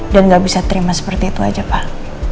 dan gak bisa terima seperti itu aja pak